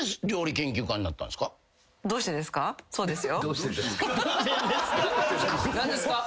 そうですよ。